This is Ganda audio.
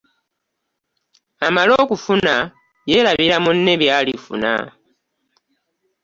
Amala okufuna y'erabira munne byalifuna .